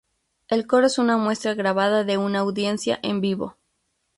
El coro es una muestra grabada de una audiencia en vivo.